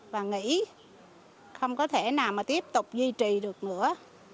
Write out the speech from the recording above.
và nghỉ không có thể nào mà tiếp tục duy trì được nữa